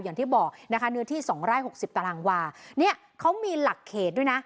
อย่างที่บอกนะคะเนื้อที่๒๖๐ตารางวาเนี่ยเขามีหลักเขตด้วยนะ